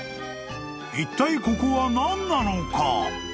［いったいここは何なのか？］